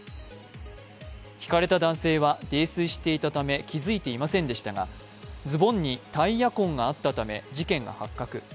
ひかれた男性は、泥酔していたため気付いていませんでしたが、ズボンにタイヤ痕があったため事件が発覚。